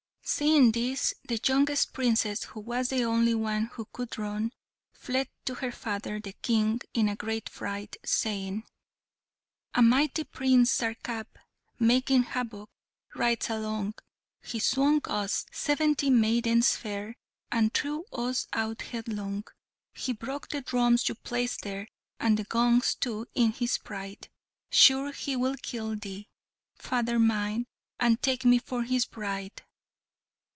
Seeing this, the youngest Princess, who was the only one who could run, fled to her father the King in a great fright, saying: "A mighty Prince, Sarkap! making havoc, rides along, He swung us, seventy maidens fair, and threw us out headlong; He broke the drums you placed there and the gongs too in his pride, Sure, he will kill thee, father mine, and take me for his bride!"